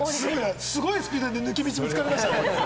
すごいスピードで抜け道が見つかりました。